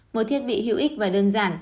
một thiết bị hữu ích và đơn giản